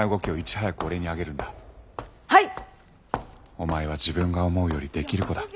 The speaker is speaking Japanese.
お前は自分が思うよりできる子だ。